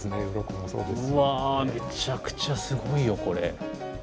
うわめちゃくちゃすごいよこれ。